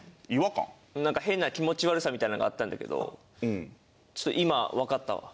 なんか変な気持ち悪さみたいなのがあったんだけどちょっと今わかったわ。